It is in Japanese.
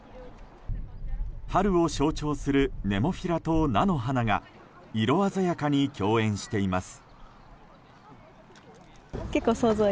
春を象徴するネモフィラと菜の花が色鮮やかに共演しています。